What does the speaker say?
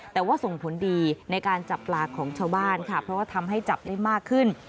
แต่ว่าส่งผลดีในการจับปลาของชาวบ้านค่ะเพราะว่าทำให้จับได้มากขึ้น